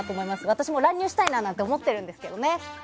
私も乱入したいなと思ってるんですけどね。